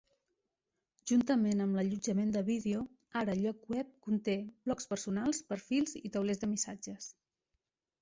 Juntament amb l'allotjament de vídeo, ara el lloc web conté blogs personals, perfils i taulers de missatges.